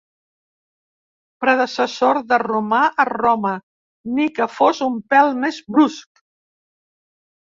Predecessor de romà a Roma, ni que fos un pèl més brusc.